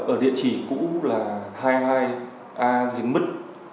ở địa chỉ cũ là hai mươi hai a diễn mứt